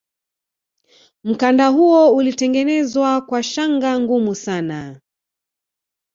mkanda huo ulitengenezwa kwa shanga ngumu sana